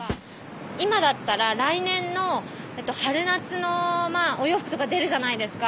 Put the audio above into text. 今だったら来年の春夏のお洋服とか出るじゃないですか。